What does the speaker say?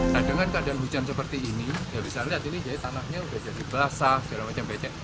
nah dengan keadaan hujan seperti ini bisa dilihat ini tanahnya sudah jadi basah